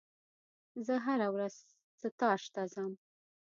زه هره ورځ ستاژ ته ځم.